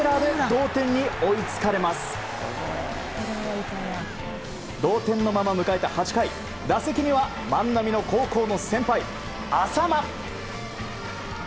同点のまま迎えた８回打席には万波の高校の先輩淺間。